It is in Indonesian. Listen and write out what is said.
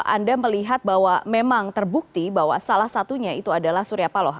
anda melihat bahwa memang terbukti bahwa salah satunya itu adalah surya paloh